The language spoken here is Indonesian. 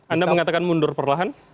anda mengatakan mundur perlahan